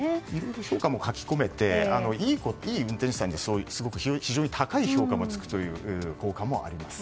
評価も書けていい運転手さんには非常に高い評価も付く効果もあります。